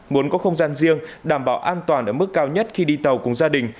muốn có không gian riêng đảm bảo an toàn ở mức cao nhất khi đi tàu cùng gia đình